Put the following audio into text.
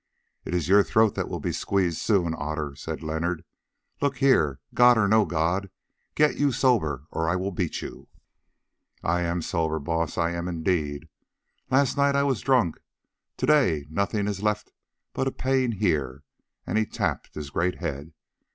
"It is your throat that will be squeezed soon, Otter," said Leonard. "Look here, god or no god, get you sober or I will beat you." "I am sober, Baas, I am indeed. Last night I was drunk, to day nothing is left but a pain here," and he tapped his great head.